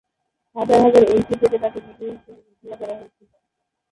হাজার হাজার এন্ট্রি থেকে তাকে বিজয়ী হিসাবে ঘোষণা করা হয়েছিল।